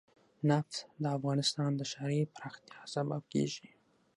نفت د افغانستان د ښاري پراختیا سبب کېږي.